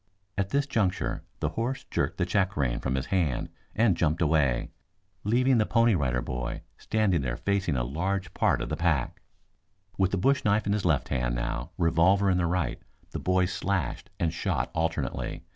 At this juncture the horse jerked the check rein from his hand and jumped away, leaving the Pony Rider Boy standing there facing a large part of the pack. [ILLUSTRATION: Tad Butler Faced the Pack.] With the bush knife in his left hand now, revolver in the right, the boy slashed and shot alternately.